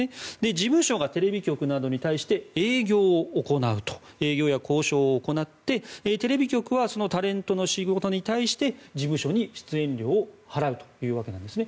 事務所がテレビ局などに対して営業や交渉を行ってテレビ局は、タレントの仕事に対して事務所に出演料を払うわけなんですね。